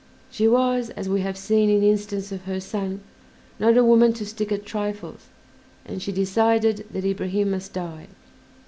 She was, as we have seen in the instance of her son, not a woman to stick at trifles, and she decided that Ibrahim must die.